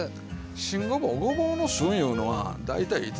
新ごぼうごぼうの旬いうのは大体いつですか？